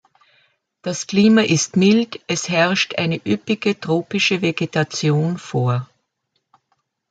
Das Klima ist mild, es herrscht eine üppige tropische Vegetation vor.